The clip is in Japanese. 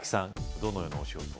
どのようなお仕事を？